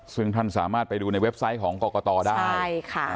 ซึ่งท่านสามารถไปดูในเว็บไซต์ของกรกตได้ใช่ค่ะ